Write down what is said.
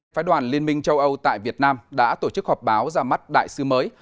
phái đoàn liên minh châu âu tại việt nam đã tổ chức họp báo ra mắt đại sứ mới